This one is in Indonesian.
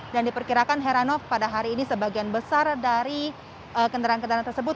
dan diperkirakan herano pada hari ini sebagian besar dari kendaraan kendaraan tersebut